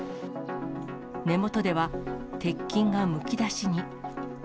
根元では、鉄筋がむき出しに。